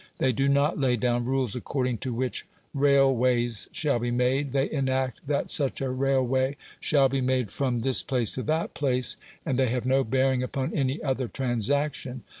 They do not lay down rules according to which railways shall be made, they enact that such a railway shall be made from this place to that place, and they have no bearing upon any other transaction.